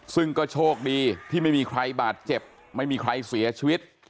ซึ่งก็โชคดีที่ไม่มีใครบาดเจ็บไม่มีใครเสียชีวิต